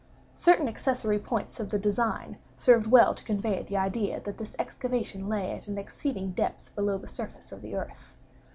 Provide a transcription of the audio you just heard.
Certain accessory points of the design served well to convey the idea that this excavation lay at an exceeding depth below the surface of the earth.